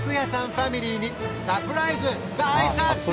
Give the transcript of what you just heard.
ファミリーにサプライズ大作戦！